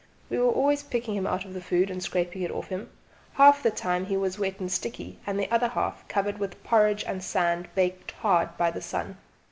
We were always picking him out of the food and scraping it off him: half the time he was wet and sticky, and the other half covered with porridge and sand baked hard by the sun.